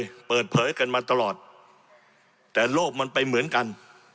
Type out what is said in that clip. เปิดเผยกันมาตลอดแต่โลกมันไปเหมือนกัน